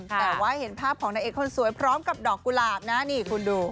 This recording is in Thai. แต่ว่าเห็นภาพของนางเอกคนสวยพร้อมกับดอกกุหลาบนะนี่คุณดู